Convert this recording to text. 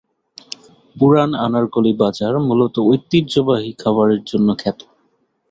পুরান আনারকলি বাজার মূলত ঐতিহ্যবাহী খাবারের জন্য খ্যাত।